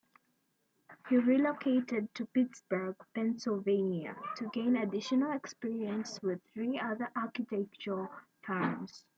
He relocated to Pittsburgh, Pennsylvania to gain additional experience with three other architectural firms.